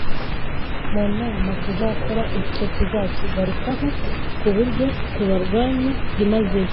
Mu nama tuzakora icyo tuzakigarukaho kuburyo tubarwanya byimazeyo